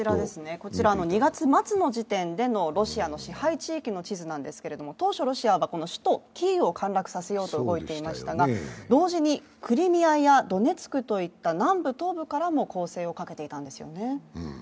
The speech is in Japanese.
こちらの２月末の時点でのロシアの支配地域の地図ですが、当初、ロシアは首都キーウを陥落させようと動いていましたが同時に、クリミアやドネツクといった南部・東部からも攻勢をかけていたんですよね。